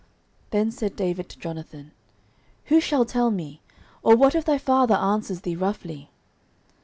09:020:010 Then said David to Jonathan, Who shall tell me? or what if thy father answer thee roughly?